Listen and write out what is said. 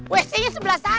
wc nya sebelah sana